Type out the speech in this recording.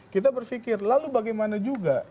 kita berpikir lalu bagaimana juga